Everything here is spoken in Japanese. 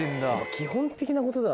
基本的なことだ。